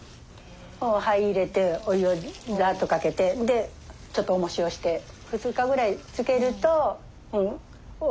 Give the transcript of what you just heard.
灰入れてお湯をザッとかけてちょっとおもしをして２日くらいつけるとおいしい。